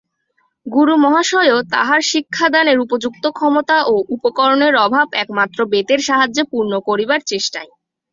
গুরুমহাশয়ও তঁহার শিক্ষাদানের উপযুক্ত ক্ষমতা ও উপকরণের অভাব একমাত্র বেতের সাহায্যে পূর্ণ করিবার চেষ্টায়।